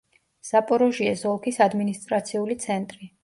ზაპოროჟიეს ოლქის ადმინისტრაციული ცენტრი.